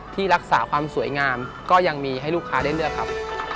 ที่รักษาความสวยงามก็ยังมีให้ลูกค้าได้เลือกครับ